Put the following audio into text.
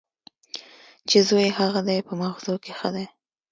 چې زوی یې هغه دی په مغزو کې ښه دی.